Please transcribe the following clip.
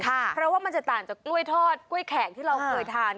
เพราะว่ามันจะต่างจากกล้วยทอดกล้วยแขกที่เราเคยทาน